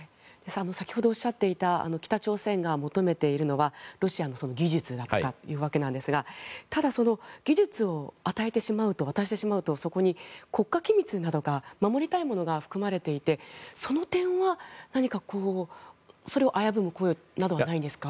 先ほどおっしゃっていた北朝鮮が求めているのはロシアの技術というわけなんですがただ、技術を与えてしまうと渡してしまうとそこに国家機密など守りたいものが含まれていてその点は何かそれを危ぶむ声などはないんですか？